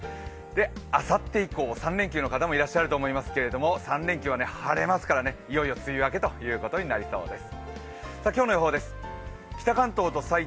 あさって以降、３連休の方もいらっしゃると思いますけど３連休は晴れますからね、いよいよ梅雨明けとなりそうです。